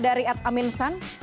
dari at aminsan